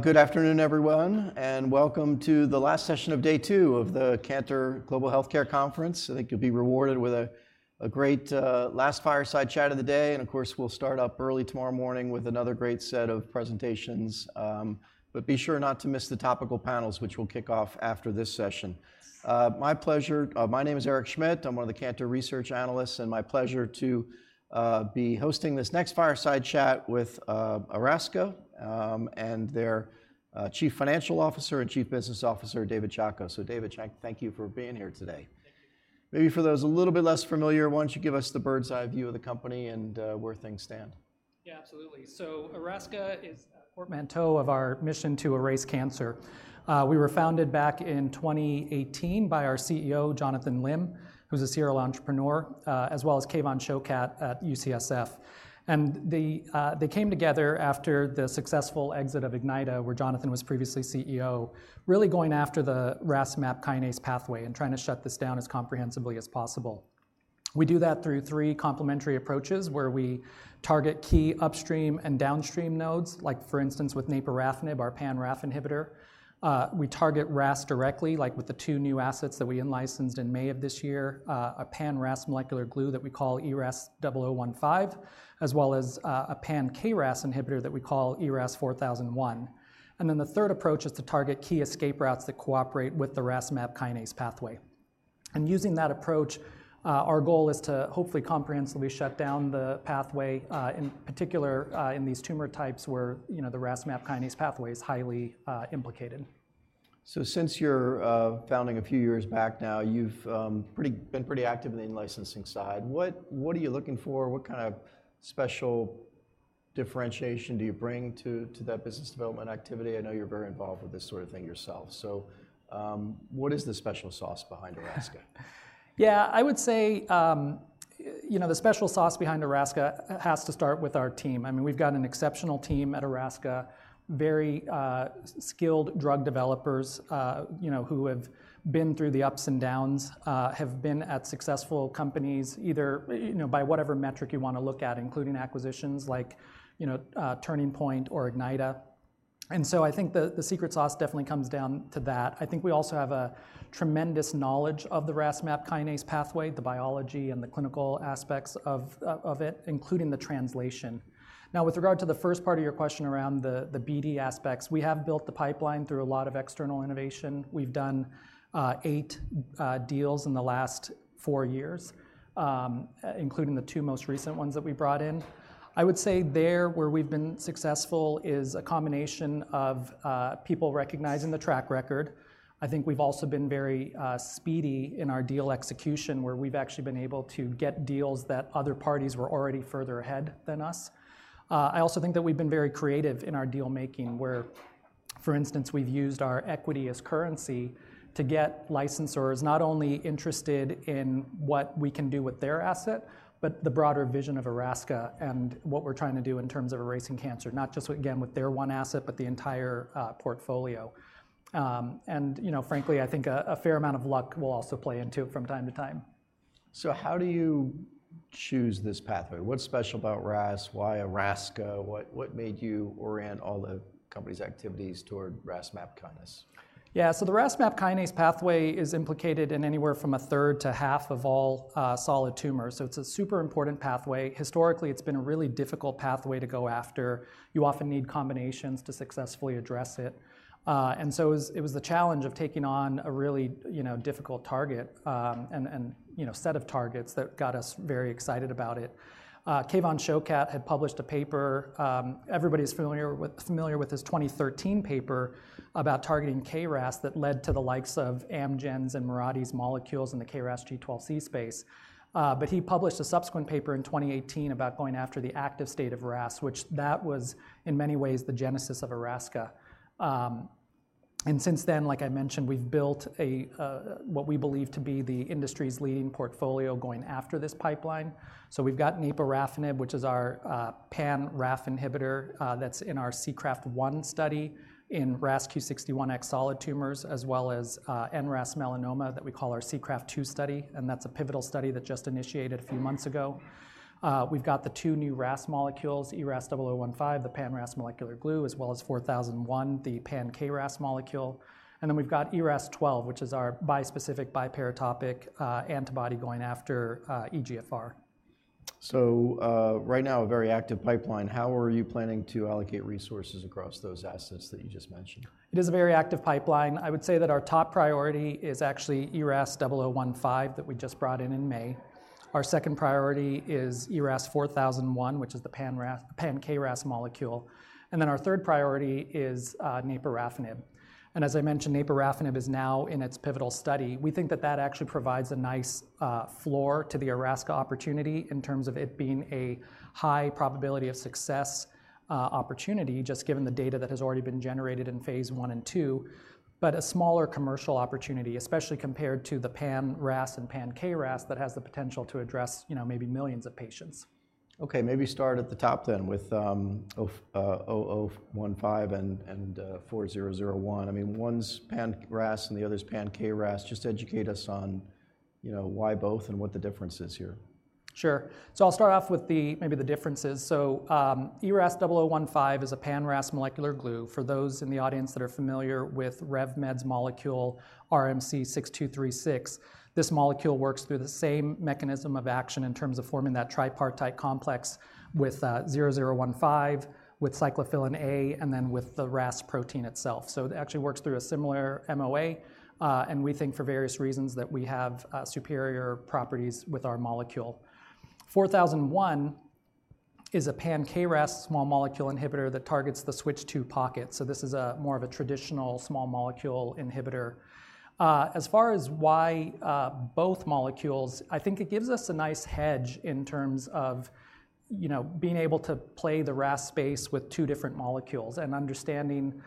Good afternoon, everyone, and welcome to the last session of day two of the Cantor Global Healthcare Conference. I think you'll be rewarded with a great last fireside chat of the day, and of course, we'll start up early tomorrow morning with another great set of presentations. But be sure not to miss the topical panels, which we'll kick off after this session. My pleasure, my name is Eric Schmidt. I'm one of the Cantor research analysts, and my pleasure to be hosting this next fireside chat with Erasca and their Chief Financial Officer and Chief Business Officer, David Chacko. So David Chacko, thank you for being here today. Thank you. Maybe for those a little bit less familiar, why don't you give us the bird's-eye view of the company and where things stand? Yeah, absolutely, so Erasca is a portmanteau of our mission to erase cancer. We were founded back in 2018 by our CEO, Jonathan Lim, who's a serial entrepreneur, as well as Kevan Shokat at UCSF, and they came together after the successful exit of Ignyta, where Jonathan was previously CEO, really going after the RAS/MAPK kinase pathway and trying to shut this down as comprehensively as possible. We do that through three complementary approaches, where we target key upstream and downstream nodes, like for instance, with naporafenib, our pan-RAF inhibitor. We target RAS directly, like with the two new assets that we in-licensed in May of this year, a pan-RAS molecular glue that we call ERAS-0015, as well as a pan-KRAS inhibitor that we call ERAS-4001. And then the third approach is to target key escape routes that cooperate with the RAS MAP kinase pathway. And using that approach, our goal is to hopefully comprehensively shut down the pathway, in particular, in these tumor types where, you know, the RAS/MAPK kinase pathway is highly implicated. So since your founding a few years back now, you've been pretty active in the in-licensing side. What are you looking for? What kind of special differentiation do you bring to that business development activity? I know you're very involved with this sort of thing yourself. So, what is the special sauce behind Erasca? Yeah, I would say, you know, the special sauce behind Erasca has to start with our team. I mean, we've got an exceptional team at Erasca, very skilled drug developers, you know, who have been through the ups and downs, have been at successful companies, either, you know, by whatever metric you wanna look at, including acquisitions like, you know, Turning Point or Ignyta. And so I think the secret sauce definitely comes down to that. I think we also have a tremendous knowledge of the RAS/MAPK kinase pathway, the biology and the clinical aspects of it, including the translation. Now, with regard to the first part of your question around the BD aspects, we have built the pipeline through a lot of external innovation. We've done eight deals in the last four years, including the two most recent ones that we brought in. I would say there, where we've been successful is a combination of people recognizing the track record. I think we've also been very speedy in our deal execution, where we've actually been able to get deals that other parties were already further ahead than us. I also think that we've been very creative in our deal-making, where, for instance, we've used our equity as currency to get licensors not only interested in what we can do with their asset, but the broader vision of Erasca and what we're trying to do in terms of erasing cancer, not just again, with their one asset, but the entire portfolio. And you know, frankly, I think a fair amount of luck will also play into it from time to time. So how do you choose this pathway? What's special about RAS? Why Erasca? What, what made you orient all the company's activities toward RAS/MAPK kinase? Yeah, so the RAS/MAPK kinase pathway is implicated in anywhere from a third to half of all solid tumors, so it's a super important pathway. Historically, it's been a really difficult pathway to go after. You often need combinations to successfully address it. And so it was the challenge of taking on a really, you know, difficult target, and you know, set of targets that got us very excited about it. Kevan Shokat had published a paper. Everybody's familiar with his 2013 paper about targeting KRAS that led to the likes of Amgen's and Mirati's molecules in the KRAS G12C space. But he published a subsequent paper in 2018 about going after the active state of RAS, which was, in many ways, the genesis of Erasca. And since then, like I mentioned, we've built a what we believe to be the industry's leading portfolio going after this pipeline. So we've got naporafenib, which is our pan-RAF inhibitor, that's in our SEACRAFT-1 study in RAS Q61X solid tumors, as well as NRAS melanoma that we call our SEACRAFT-2 study, and that's a pivotal study that just initiated a few months ago. We've got the two new RAS molecules, ERAS-0015, the pan-RAS molecular glue, as well as ERAS-4001, the pan-KRAS molecule. And then we've got ERAS-0012, which is our bispecific biparatopic antibody going after EGFR. Right now, a very active pipeline. How are you planning to allocate resources across those assets that you just mentioned? It is a very active pipeline. I would say that our top priority is actually ERAS-0015 that we just brought in in May. Our second priority is ERAS-4001, which is the pan-RAF, pan-KRAS molecule, and then our third priority is naporafenib, and as I mentioned, naporafenib is now in its pivotal study. We think that that actually provides a nice floor to the Erasca opportunity in terms of it being a high probability of success opportunity, just given the data that has already been generated in phase one and two, but a smaller commercial opportunity, especially compared to the pan-RAS and pan-KRAS, that has the potential to address, you know, maybe millions of patients. Okay, maybe start at the top then with ERAS-0015 and ERAS-4001. I mean, one's pan-RAS and the other's pan-KRAS. Just educate us on, you know, why both and what the difference is here.... Sure. So I'll start off with maybe the differences. So ERAS-0015 is a pan-RAS molecular glue. For those in the audience that are familiar with RevMed's molecule, RMC-6236, this molecule works through the same mechanism of action in terms of forming that tripartite complex with ERAS-0015, with cyclophilin A, and then with the RAS protein itself. So it actually works through a similar MOA, and we think for various reasons that we have superior properties with our molecule. ERAS-4001 is a pan-KRAS small molecule inhibitor that targets the switch II pocket, so this is more of a traditional small molecule inhibitor. As far as why both molecules, I think it gives us a nice hedge in terms of, you know, being able to play the RAS space with two different molecules, and understanding,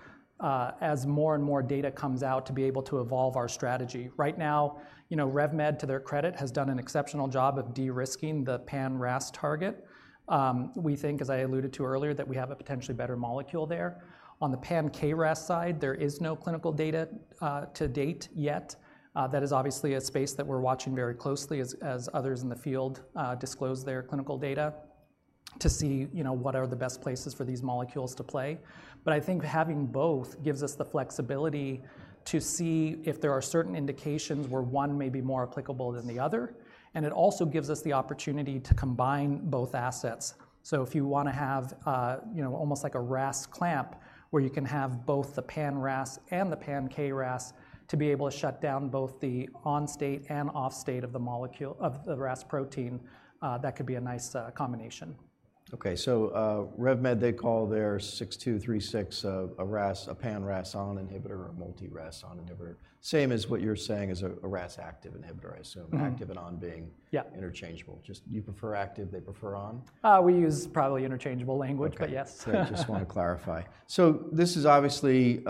as more and more data comes out, to be able to evolve our strategy. Right now, you know, RevMed, to their credit, has done an exceptional job of de-risking the pan-RAS target. We think, as I alluded to earlier, that we have a potentially better molecule there. On the pan-KRAS side, there is no clinical data to date yet. That is obviously a space that we're watching very closely as others in the field disclose their clinical data to see, you know, what are the best places for these molecules to play. But I think having both gives us the flexibility to see if there are certain indications where one may be more applicable than the other, and it also gives us the opportunity to combine both assets. So if you wanna have, you know, almost like a RAS clamp, where you can have both the pan-RAS and the pan-KRAS to be able to shut down both the on state and off state of the RAS protein, that could be a nice combination. Okay, so, RevMed, they call their 6236 a RAS(ON), a pan-RAS(ON) inhibitor or multi-RAS(ON) inhibitor. Same as what you're saying is a RAS(ON) inhibitor, I assume- Mm-hmm.... active and on being- Yeah. Interchangeable. Just you prefer active, they prefer on? We use probably interchangeable language- Okay. But yes. So I just wanna clarify. So this is obviously, you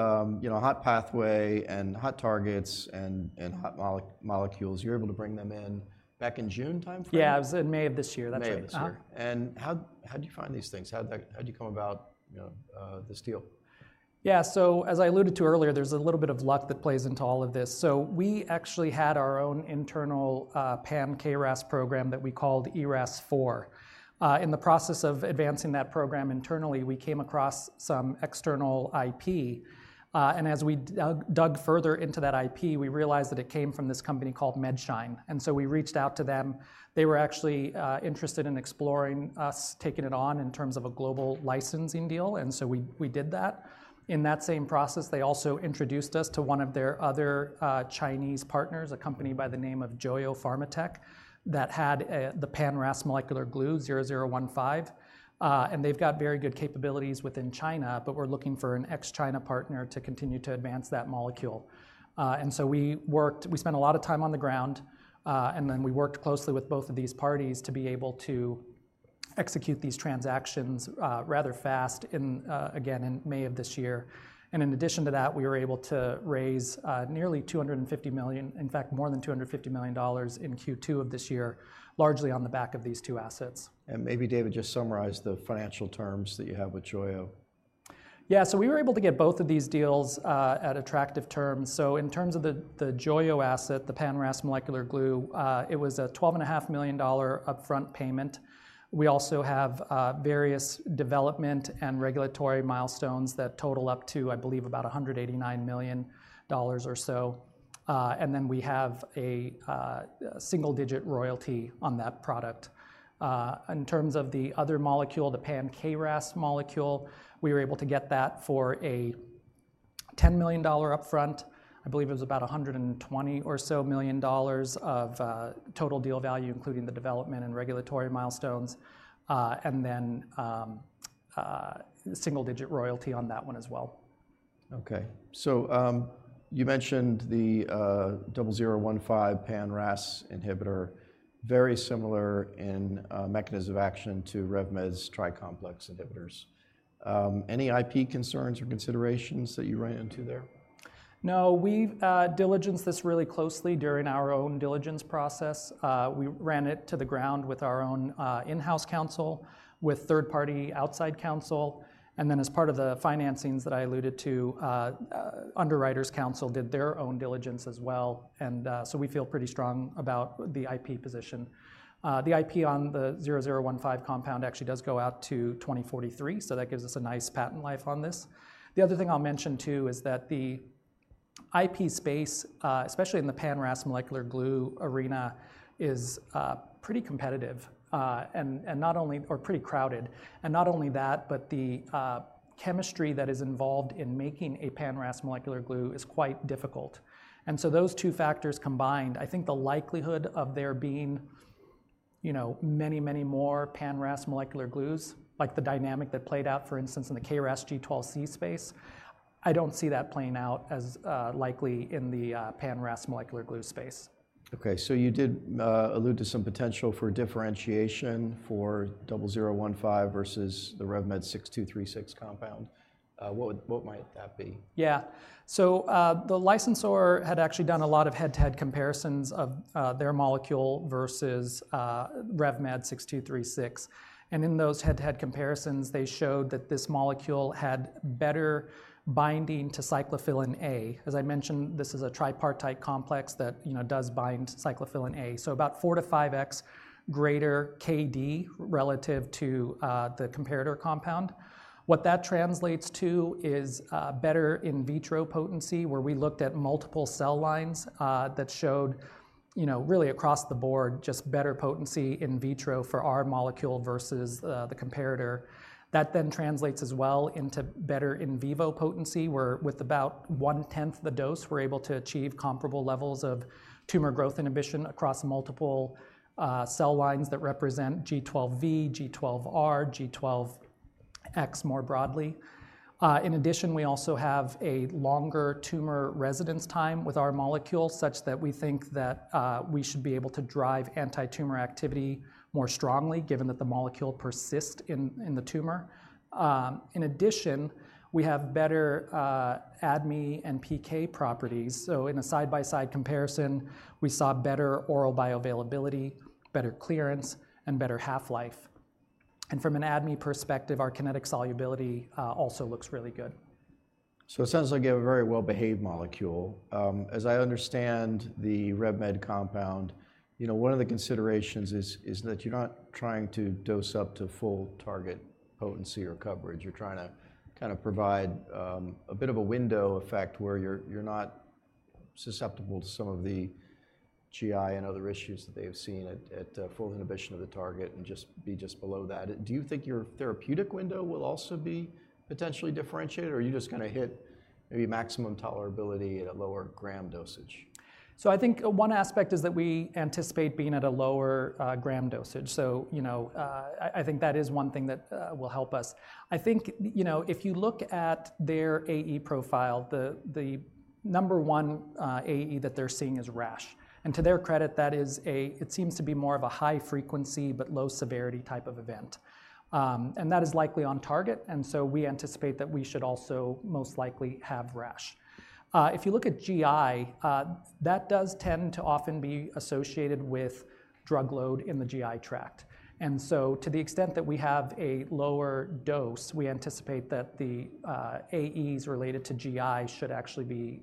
know, hot pathway and hot targets and hot molecules. You're able to bring them in back in June timeframe? Yeah, it was in May of this year. That's right. May of this year. Uh-huh. How'd you find these things? How'd you come about, you know, this deal? Yeah, so as I alluded to earlier, there's a little bit of luck that plays into all of this. So we actually had our own internal pan-KRAS program that we called ERAS-4. In the process of advancing that program internally, we came across some external IP, and as we dug further into that IP, we realized that it came from this company called MedShine, and so we reached out to them. They were actually interested in exploring us taking it on in terms of a global licensing deal, and so we did that. In that same process, they also introduced us to one of their other Chinese partners, a company by the name of Joyo Pharmatech, that had the pan-RAS molecular glue, ERAS-0015. They've got very good capabilities within China, but we were looking for an ex-China partner to continue to advance that molecule. So we spent a lot of time on the ground, and then we worked closely with both of these parties to be able to execute these transactions rather fast in, again, in May of this year. In addition to that, we were able to raise nearly $250 million, in fact, more than $250 million in Q2 of this year, largely on the back of these two assets. Maybe, David, just summarize the financial terms that you have with Joyo. Yeah, so we were able to get both of these deals at attractive terms. In terms of the Joyo asset, the pan-RAS molecular glue, it was a $12.5 million upfront payment. We also have various development and regulatory milestones that total up to, I believe, about $189 million or so. And then we have a single-digit royalty on that product. In terms of the other molecule, the pan-KRAS molecule, we were able to get that for a $10 million upfront. I believe it was about $120 million or so of total deal value, including the development and regulatory milestones, and then single-digit royalty on that one as well. Okay. So, you mentioned the ERAS-0015 pan-RAS inhibitor, very similar in mechanism of action to RevMed's tri-complex inhibitors. Any IP concerns or considerations that you ran into there? No, we've diligenced this really closely during our own diligence process. We ran it to the ground with our own in-house counsel, with third-party outside counsel, and then as part of the financings that I alluded to, underwriters' counsel did their own diligence as well, and so we feel pretty strong about the IP position. The IP on the ERAS-0015 compound actually does go out to twenty forty-three, so that gives us a nice patent life on this. The other thing I'll mention, too, is that the IP space, especially in the pan-RAS molecular glue arena, is pretty competitive or pretty crowded, and not only that, but the chemistry that is involved in making a pan-RAS molecular glue is quite difficult. And so those two factors combined, I think the likelihood of there being, you know, many, many more pan-RAS molecular glues, like the dynamic that played out, for instance, in the KRAS G12C space, I don't see that playing out as likely in the pan-RAS molecular glue space. Okay, so you did allude to some potential for differentiation for ERAS-0015 versus the RevMed RMC-6236 compound? What would, what might that be? Yeah. So, the licensor had actually done a lot of head-to-head comparisons of, their molecule versus, RMC-6236. And in those head-to-head comparisons, they showed that this molecule had better binding to cyclophilin A. As I mentioned, this is a tripartite complex that, you know, does bind cyclophilin A. So about 4X-5X greater KD relative to, the comparator compound. What that translates to is, better in vitro potency, where we looked at multiple cell lines, that showed, you know, really across the board, just better potency in vitro for our molecule versus, the comparator. That then translates as well into better in vivo potency, where with about one-tenth the dose, we're able to achieve comparable levels of tumor growth inhibition across multiple, cell lines that represent G12V, G12R, G12X more broadly. In addition, we also have a longer tumor residence time with our molecule, such that we think that we should be able to drive anti-tumor activity more strongly, given that the molecule persist in the tumor. In addition, we have better ADME and PK properties, so in a side-by-side comparison, we saw better oral bioavailability, better clearance, and better half-life, and from an ADME perspective, our kinetic solubility also looks really good. So it sounds like you have a very well-behaved molecule. As I understand the RevMed compound, you know, one of the considerations is that you're not trying to dose up to full target potency or coverage. You're trying to kind of provide a bit of a window effect where you're not susceptible to some of the GI and other issues that they have seen at full inhibition of the target, and just be below that. Do you think your therapeutic window will also be potentially differentiated, or are you just gonna hit maybe maximum tolerability at a lower gram dosage? I think one aspect is that we anticipate being at a lower gram dosage. You know, I think that is one thing that will help us. I think, you know, if you look at their AE profile, the number one AE that they're seeing is rash. And to their credit, that is a... It seems to be more of a high frequency, but low severity type of event. And that is likely on target, and so we anticipate that we should also most likely have rash. If you look at GI, that does tend to often be associated with drug load in the GI tract. And so to the extent that we have a lower dose, we anticipate that the AEs related to GI should actually be,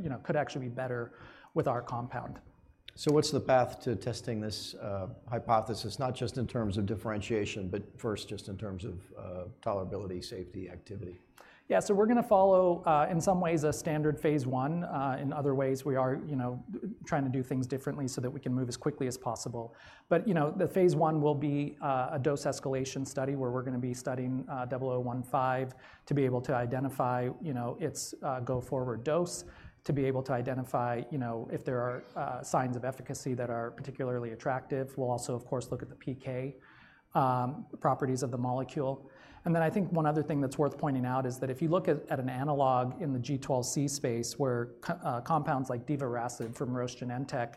you know, could actually be better with our compound. What's the path to testing this hypothesis, not just in terms of differentiation, but first, just in terms of tolerability, safety, activity? Yeah, so we're gonna follow, in some ways, a standard phase 1. In other ways, we are, you know, trying to do things differently so that we can move as quickly as possible. But, you know, the phase 1 will be a dose escalation study, where we're gonna be studying ERAS-0015 to be able to identify, you know, its go-forward dose, to be able to identify, you know, if there are signs of efficacy that are particularly attractive. We'll also, of course, look at the PK properties of the molecule. And then I think one other thing that's worth pointing out is that if you look at an analog in the G12C space, where compounds like divarasib from Roche and Genentech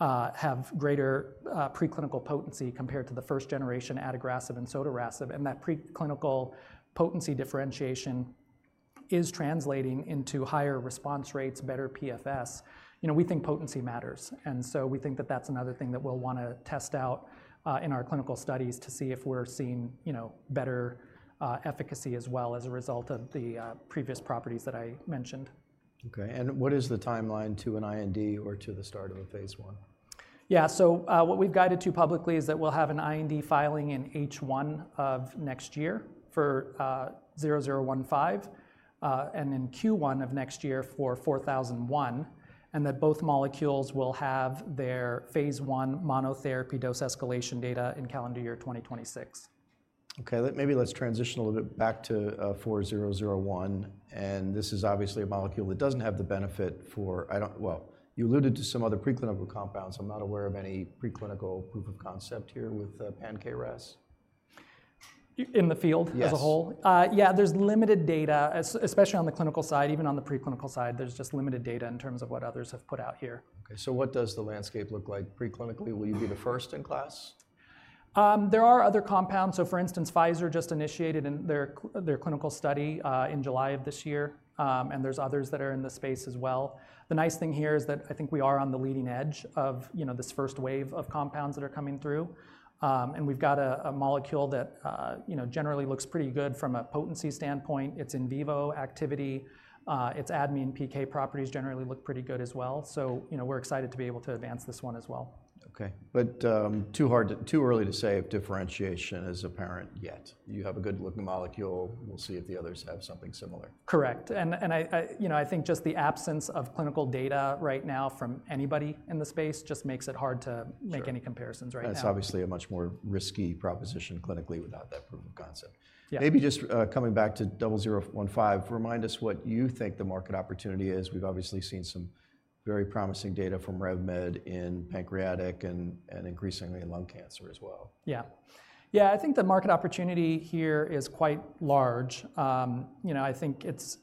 have greater preclinical potency compared to the first-generation adagrasib and sotorasib, and that preclinical potency differentiation is translating into higher response rates, better PFS. You know, we think potency matters, and so we think that that's another thing that we'll wanna test out in our clinical studies to see if we're seeing, you know, better efficacy as well as a result of the previous properties that I mentioned. Okay, and what is the timeline to an IND or to the start of a phase 1? Yeah, so, what we've guided to publicly is that we'll have an IND filing in H1 of next year for ERAS-0015, and then Q1 of next year for ERAS-4001, and that both molecules will have their phase 1 monotherapy dose escalation data in calendar year 2026. Okay, maybe let's transition a little bit back to ERAS-4001, and this is obviously a molecule that doesn't have the benefit for... I don't. Well, you alluded to some other preclinical compounds. I'm not aware of any preclinical proof of concept here with pan-KRAS. In the field- Yes... as a whole? Yeah, there's limited data, especially on the clinical side. Even on the preclinical side, there's just limited data in terms of what others have put out here. Okay, so what does the landscape look like preclinically? Will you be the first in class? There are other compounds. So, for instance, Pfizer just initiated in their their clinical study in July of this year, and there's others that are in this space as well. The nice thing here is that I think we are on the leading edge of, you know, this first wave of compounds that are coming through. And we've got a molecule that, you know, generally looks pretty good from a potency standpoint. It's in vivo activity, its ADME and PK properties generally look pretty good as well. So, you know, we're excited to be able to advance this one as well. Okay. But, too early to say if differentiation is apparent yet. You have a good-looking molecule. We'll see if the others have something similar. Correct. And I you know I think just the absence of clinical data right now from anybody in the space just makes it hard to- Sure... make any comparisons right now. That's obviously a much more risky proposition clinically without that proof of concept. Yeah. Maybe just, coming back to ERAS-0015, remind us what you think the market opportunity is. We've obviously seen some very promising data from RevMed in pancreatic and increasingly in lung cancer as well. Yeah. Yeah, I think the market opportunity here is quite large. You know, I think it's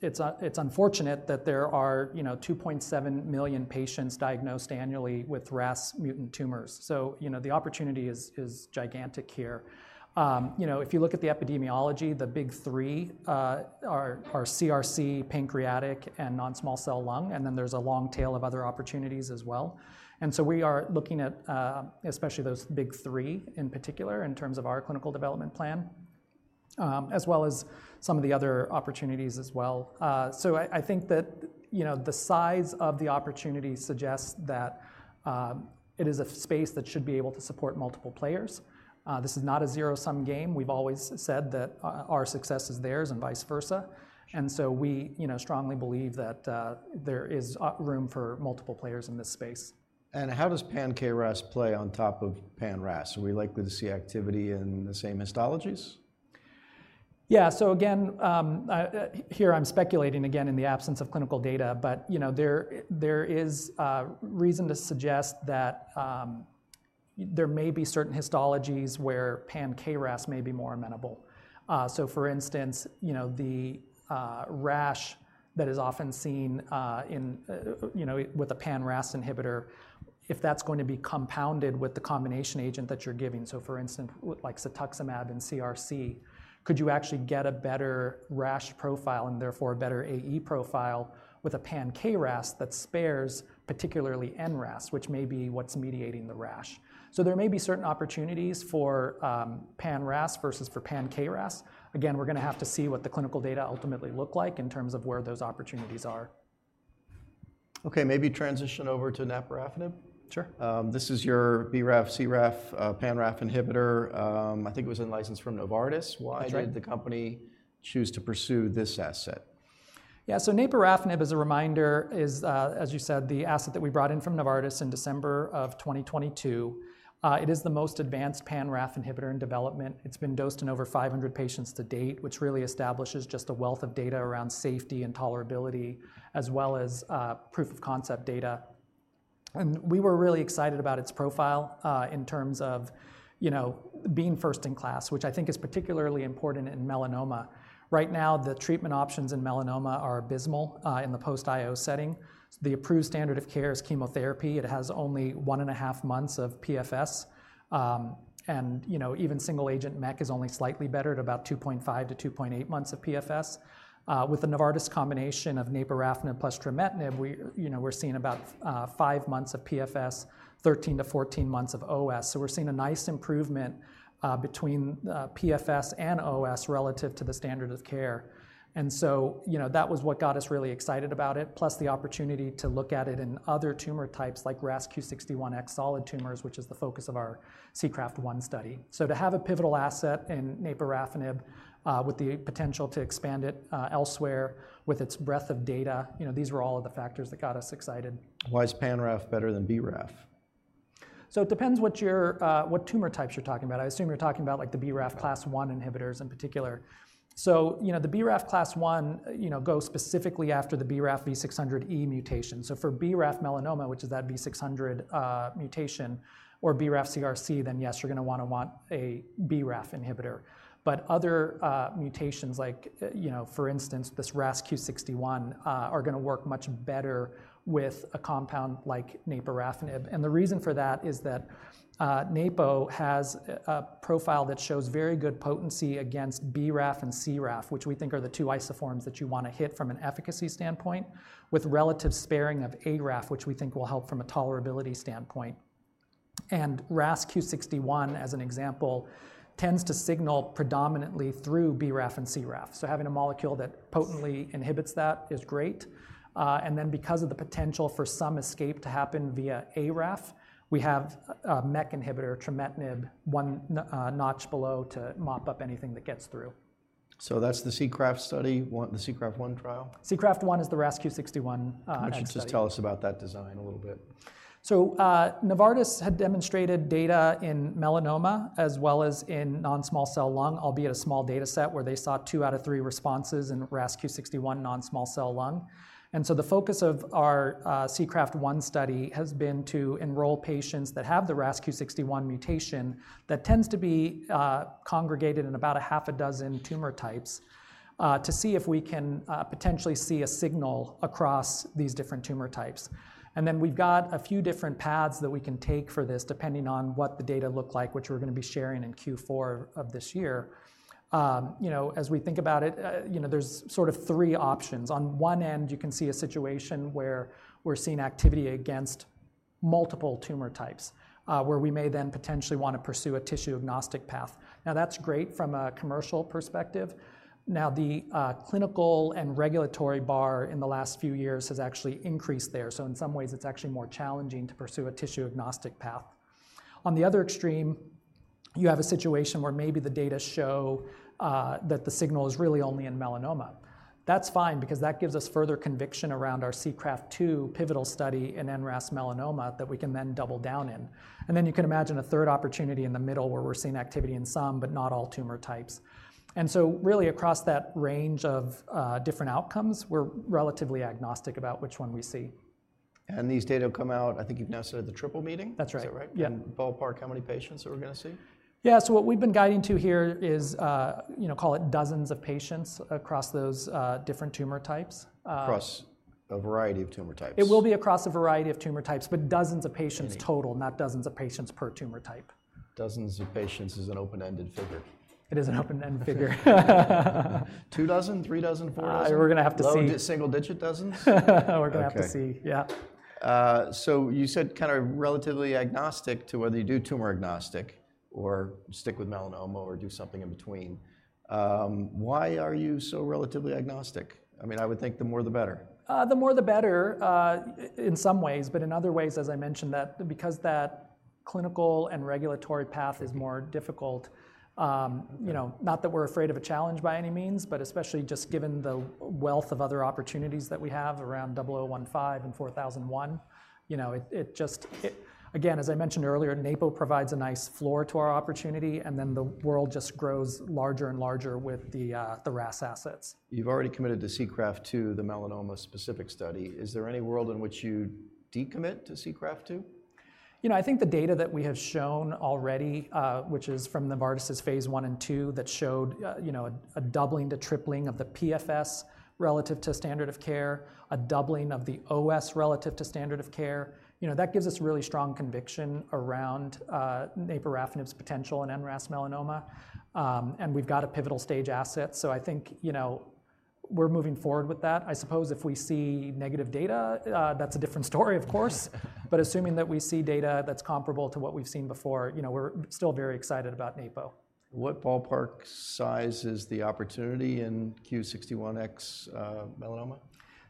unfortunate that there are, you know, 2.7 million patients diagnosed annually with RAS mutant tumors. So, you know, the opportunity is gigantic here. You know, if you look at the epidemiology, the big three are CRC, pancreatic, and non-small cell lung, and then there's a long tail of other opportunities as well. And so we are looking at, especially those big three in particular, in terms of our clinical development plan, as well as some of the other opportunities as well. So I think that, you know, the size of the opportunity suggests that it is a space that should be able to support multiple players. This is not a zero-sum game. We've always said that, our success is theirs and vice versa. And so we, you know, strongly believe that, there is, room for multiple players in this space. How does pan-KRAS play on top of pan-RAS? Are we likely to see activity in the same histologies? Yeah. So again, here I'm speculating again in the absence of clinical data, but, you know, there, there is reason to suggest that, there may be certain histologies where pan-KRAS may be more amenable. So for instance, you know, the, rash that is often seen, in, you know, with a pan-RAS inhibitor, if that's going to be compounded with the combination agent that you're giving. So for instance, like cetuximab in CRC, could you actually get a better rash profile and therefore a better AE profile with a pan-KRAS that spares, particularly NRAS, which may be what's mediating the rash? So there may be certain opportunities for, pan-RAS versus for pan-KRAS. Again, we're gonna have to see what the clinical data ultimately look like in terms of where those opportunities are. Okay, maybe transition over to naporafenib. Sure. This is your BRAF, CRAF, pan-RAF inhibitor. I think it was in-licensed from Novartis. That's right. Why did the company choose to pursue this asset? Yeah, so naporafenib, as a reminder, is, as you said, the asset that we brought in from Novartis in December of 2022. It is the most advanced pan-RAF inhibitor in development. It's been dosed in over 500 patients to date, which really establishes just a wealth of data around safety and tolerability, as well as proof of concept data. And we were really excited about its profile, in terms of, you know, being first in class, which I think is particularly important in melanoma. Right now, the treatment options in melanoma are abysmal, in the post-IO setting. The approved standard of care is chemotherapy. It has only one and a half months of PFS, and you know, even single-agent MEK is only slightly better at about 2.5 months-2.8 months of PFS. With the Novartis combination of naporafenib plus trametinib, we, you know, we're seeing about five months of PFS, 13 months-14 months of OS. So we're seeing a nice improvement between PFS and OS relative to the standard of care. And so, you know, that was what got us really excited about it, plus the opportunity to look at it in other tumor types like RAS Q61X solid tumors, which is the focus of our SEACRAFT-1 study. So to have a pivotal asset in naporafenib with the potential to expand it elsewhere with its breadth of data, you know, these were all of the factors that got us excited. Why is pan-RAF better than BRAF? So it depends what tumor types you're talking about. I assume you're talking about, like, the BRAF class one inhibitors in particular. So, you know, the BRAF class one, you know, goes specifically after the BRAF V600E mutation. So for BRAF melanoma, which is that V600 mutation, or BRAF CRC, then yes, you're gonna want a BRAF inhibitor. But other mutations like, you know, for instance, this RAS Q61 are gonna work much better with a compound like naporafenib. And the reason for that is that Napo has a profile that shows very good potency against BRAF and CRAF, which we think are the two isoforms that you wanna hit from an efficacy standpoint, with relative sparing of ARAF, which we think will help from a tolerability standpoint. RAS Q61, as an example, tends to signal predominantly through BRAF and CRAF, so having a molecule that potently inhibits that is great, and then because of the potential for some escape to happen via ARAF, we have a MEK inhibitor, trametinib, one notch below, to mop up anything that gets through. That's the SEACRAFT-1 study, the SEACRAFT-1 trial? SEACRAFT-1 is the RAS Q61 study. Just tell us about that design a little bit. Novartis had demonstrated data in melanoma as well as in non-small cell lung, albeit a small data set, where they saw two out of three responses in RAS Q61 non-small cell lung. The focus of our SEACRAFT-1 study has been to enroll patients that have the RAS Q61 mutation, that tends to be congregated in about a half a dozen tumor types, to see if we can potentially see a signal across these different tumor types. We've got a few different paths that we can take for this, depending on what the data look like, which we're gonna be sharing in Q4 of this year. You know, as we think about it, you know, there's sort of three options. On one end, you can see a situation where we're seeing activity against multiple tumor types, where we may then potentially wanna pursue a tissue-agnostic path. Now, that's great from a commercial perspective. Now, the clinical and regulatory bar in the last few years has actually increased there, so in some ways, it's actually more challenging to pursue a tissue-agnostic path. On the other extreme, you have a situation where maybe the data show that the signal is really only in melanoma. That's fine, because that gives us further conviction around our SEACRAFT-2 pivotal study in NRAS melanoma that we can then double down in. And then you can imagine a third opportunity in the middle where we're seeing activity in some, but not all tumor types. And so really, across that range of different outcomes, we're relatively agnostic about which one we see. And these data will come out, I think you've now said, at the Triple Meeting? That's right. Is that right? Yeah. Ballpark, how many patients are we gonna see? Yeah, so what we've been guiding to here is, you know, call it dozens of patients across those different tumor types. Across a variety of tumor types. It will be across a variety of tumor types, but dozens- Many... of patients total, not dozens of patients per tumor type. Dozens of patients is an open-ended figure. It is an open-ended figure. Two dozen, three dozen, four dozen? We're gonna have to see. Low to single-digit dozens? We're gonna have to see. Okay. Yeah.... So you said kind of relatively agnostic to whether you do tumor agnostic or stick with melanoma or do something in between. Why are you so relatively agnostic? I mean, I would think the more, the better. The more, the better, in some ways, but in other ways, as I mentioned, that because that clinical and regulatory path is more difficult, Mm-hmm. You know, not that we're afraid of a challenge by any means, but especially just given the wealth of other opportunities that we have around ERAS-0015 and ERAS-4001, you know, it just. Again, as I mentioned earlier, Napo provides a nice floor to our opportunity, and then the world just grows larger and larger with the RAS assets. You've already committed to SEACRAFT-2, the melanoma-specific study. Is there any world in which you decommit to SEACRAFT-2? You know, I think the data that we have shown already, which is from the Novartis' phase I and II, that showed, you know, a doubling to tripling of the PFS relative to standard of care, a doubling of the OS relative to standard of care, you know, that gives us really strong conviction around, naporafenib's potential in NRAS melanoma. And we've got a pivotal stage asset, so I think, you know, we're moving forward with that. I suppose if we see negative data, that's a different story, of course. But assuming that we see data that's comparable to what we've seen before, you know, we're still very excited about NAPO. What ballpark size is the opportunity in Q61X, melanoma?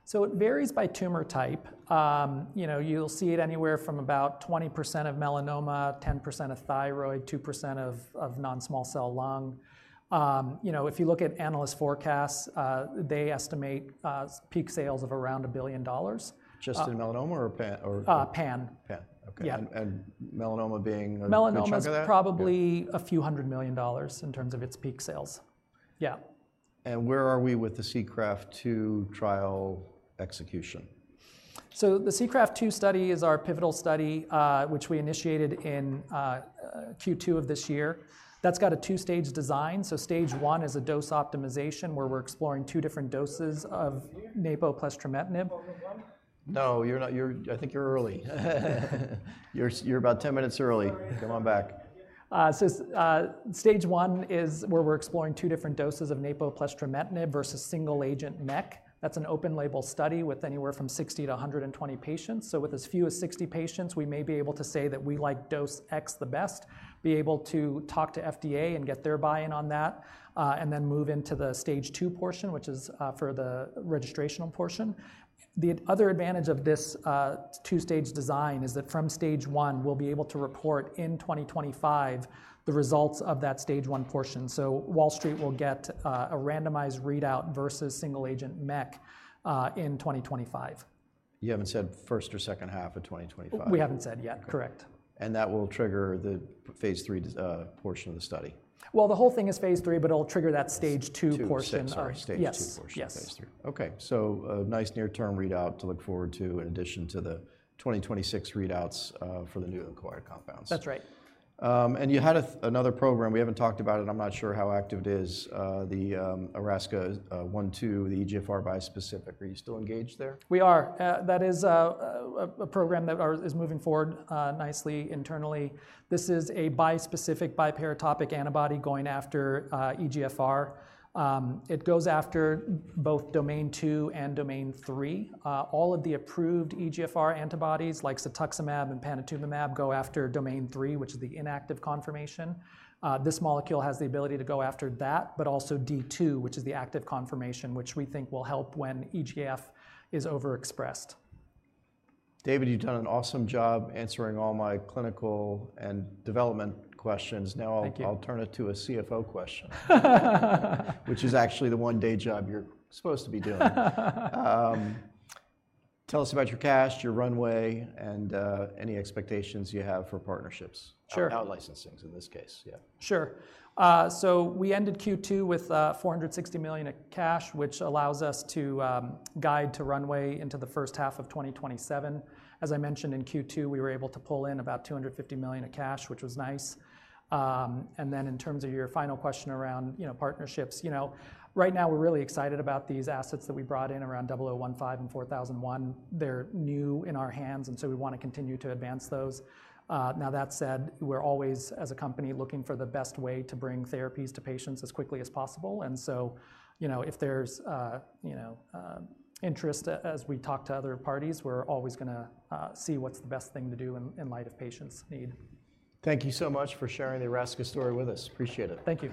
So it varies by tumor type. You know, you'll see it anywhere from about 20% of melanoma, 10% of thyroid, 2% of non-small cell lung. You know, if you look at analyst forecasts, they estimate peak sales of around $1 billion. Just in melanoma or... Uh, PAN. PAN. Okay. Yeah. Melanoma being a good chunk of that? Melanoma is probably- Yeah... a few hundred million dollars in terms of its peak sales. Yeah. Where are we with the SEACRAFT-2 trial execution? The SEACRAFT-2 study is our pivotal study, which we initiated in Q2 of this year. That's got a two-stage design, so stage one is a dose optimization, where we're exploring two different doses of naporafenib plus trametinib. ..No, you're not, you're... I think you're early. You're about 10 minutes early. Come on back. Stage one is where we're exploring two different doses of Napo plus trametinib versus single-agent MEK. That's an open-label study with anywhere from 60 patients-120 patients. With as few as 60 patients, we may be able to say that we like dose X the best, be able to talk to FDA and get their buy-in on that, and then move into the stage two portion, which is for the registrational portion. The other advantage of this two-stage design is that from stage one, we'll be able to report in 2025 the results of that stage one portion. Wall Street will get a randomized readout versus single-agent MEK in 2025. You haven't said first or second half of twenty twenty-five? We haven't said yet. Okay. Correct. And that will trigger the phase III portion of the study? The whole thing is phase III, but it'll trigger that stage two- Two, six-... portion. Yes Stage two portion. Yes. phase III. Okay, so a nice near-term readout to look forward to in addition to the 2026 readouts for the newly acquired compounds. That's right. And you had another program. We haven't talked about it. I'm not sure how active it is, the ERAS-0012, the EGFR bispecific. Are you still engaged there? We are. That is a program that is moving forward nicely internally. This is a bispecific, biparitopic antibody going after EGFR. It goes after both domain 2 and domain 3. All of the approved EGFR antibodies, like cetuximab and panitumumab, go after domain 3, which is the inactive conformation. This molecule has the ability to go after that, but also D2, which is the active conformation, which we think will help when EGF is overexpressed. David, you've done an awesome job answering all my clinical and development questions. Thank you. Now I'll turn it to a CFO question. Which is actually the one day job you're supposed to be doing. Tell us about your cash, your runway, and any expectations you have for partnerships. Sure. Out-licensings, in this case, yeah. Sure. So we ended Q2 with $460 million of cash, which allows us to guide to runway into the first half of 2027. As I mentioned in Q2, we were able to pull in about $250 million of cash, which was nice, and then in terms of your final question around, you know, partnerships, you know, right now we're really excited about these assets that we brought in around ERAS-0015 and ERAS-4001. They're new in our hands, and so we wanna continue to advance those. Now that said, we're always, as a company, looking for the best way to bring therapies to patients as quickly as possible. And so, you know, if there's, you know, interest as we talk to other parties, we're always gonna see what's the best thing to do in light of patients' need. Thank you so much for sharing the Erasca story with us. Appreciate it. Thank you.